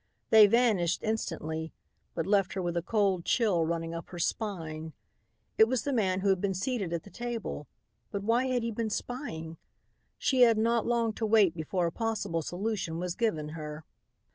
They vanished instantly but left her with a cold chill running up her spine. It was the man who had been seated at the table, but why had he been spying? She had not long to wait before a possible solution was given her.